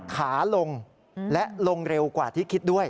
ขาลงและลงเร็วกว่าที่คิดด้วย